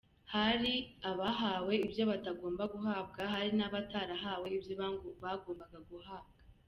Hari abahawe ibyo batagomba guhabwa, hari n’abatarahawe ibyo bagombaga guhabwa.